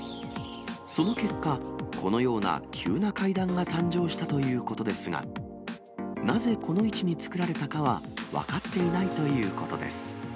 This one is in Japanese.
その結果、このような急な階段が誕生したということですが、なぜこの位置に作られたかは、分かっていないということです。